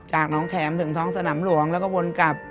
จากน้องแขมตั้งถ้องสนับหลวงแล้วก็วนกลับ